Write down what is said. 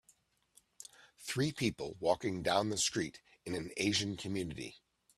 Three people walking down the street in an Asian community